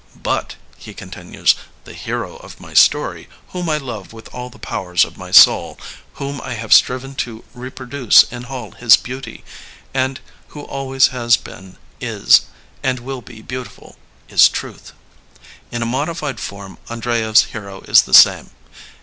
But,'' he continues, the hero of my story whom I love with all the powers of my soul, whom I have striven to reproduce in all his beauty, and who always has been, is, and will be beautiful, is truth. *' In a modified form Andreyev's hero is the same.